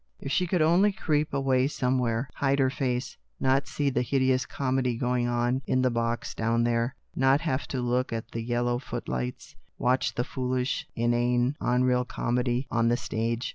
If she could only creep away somewhere, hide her face, not see the hideous comedy going on in the box down there, not have to look at the yel low footlights, watch the foolish, inane, unreal comedy on the stage.